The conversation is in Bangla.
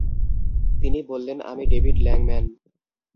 তিনি বললেন, আমি ডেভিড ল্যাংম্যান।